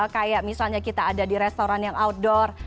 kayak misalnya kita ada di restoran yang outdoor